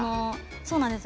そうなんです。